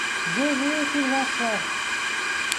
Je veux qu'ils en soient!